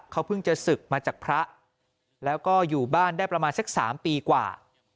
เขาเพิ่งจะศึกมาจากพระแล้วก็อยู่บ้านได้ประมาณสัก๓ปีกว่า